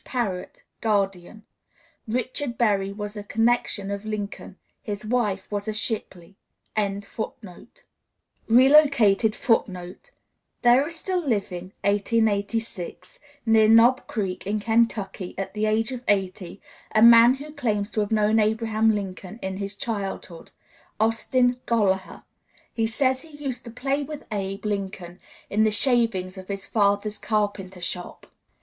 PARROTT, Guardian." Richard Berry was a connection of Lincoln; his wife was a Shipley.] [Relocated Footnote (2): There is still living (1886) near Knob Creek in Kentucky, at the age of eighty, a man who claims to have known Abraham Lincoln in his childhood Austin Gollaher. He says he used to play with Abe Lincoln in the shavings of his father's carpenter shop.